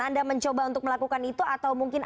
anda mencoba untuk melakukan itu atau mungkin